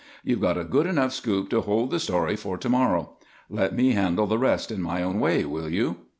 "You've got a good enough scoop to hold the story for to morrow. Let me handle the rest in my own way, will you?"